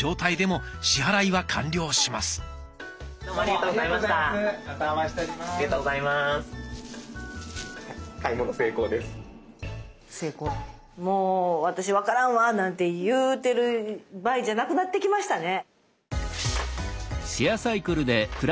もう私分からんわなんて言うてる場合じゃなくなってきましたね。